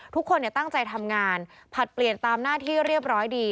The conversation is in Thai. ทุกคนตั้งใจทำงานผลัดเปลี่ยนตามหน้าที่เรียบร้อยดี